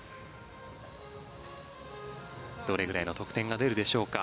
どれぐらいの得点が出るでしょうか。